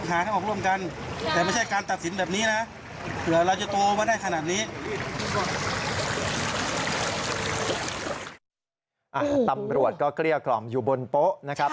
ตำรวจก็เกลี้ยกล่อมอยู่บนโป๊ะนะครับ